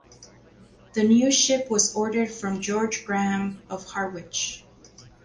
The new ship was ordered from George Graham of Harwich.